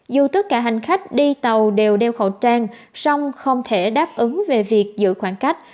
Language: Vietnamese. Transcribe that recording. dù tất cả hành khách đi tàu đều đeo khẩu trang song không thể đáp ứng về việc